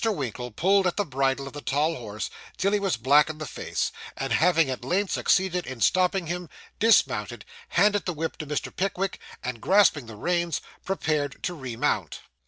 Winkle pulled at the bridle of the tall horse till he was black in the face; and having at length succeeded in stopping him, dismounted, handed the whip to Mr. Pickwick, and grasping the reins, prepared to remount.